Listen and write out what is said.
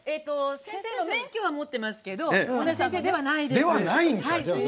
先生の免許は持ってますけど先生ではないです。